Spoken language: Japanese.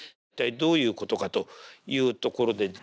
一体どういうことかというところで。